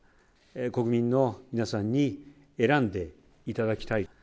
国民の皆さんに選んでいただきたい。